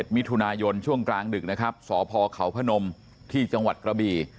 มิถุนายนช่วงกลางดึกนะครับสพเขาพนมที่จังหวัดกระบี